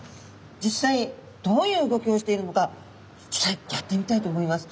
実際どういう動きをしているのか実際やってみたいと思います。